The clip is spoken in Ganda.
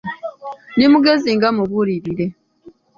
Ndi mugezi nga mubuulire.